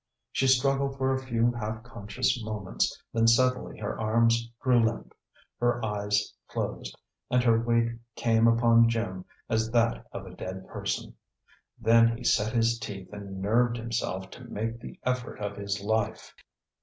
She struggled for a few half conscious moments; then suddenly her arms grew limp, her eyes closed, and her weight came upon Jim as that of a dead person. Then he set his teeth and nerved himself to make the effort of his life.